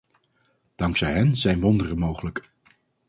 Dankzij hen zijn wonderen mogelijk.